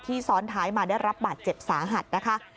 ซ้อนท้ายมาได้รับบาดเจ็บสาหัสนะคะ